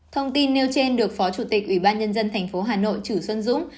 thông tin nêu trên được phó chủ tịch ủy ban nhân dân tp hà nội trữ xuân dũng